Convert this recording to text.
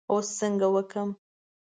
اوس څنګه وکړم.